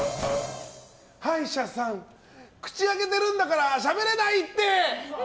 歯医者さん、口開けてるんだからしゃべれないって！